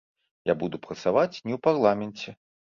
Я буду працаваць не ў парламенце.